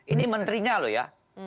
ini menterinya loh ya